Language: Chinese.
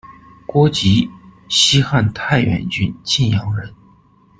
郭吉，西汉太原郡晋阳人。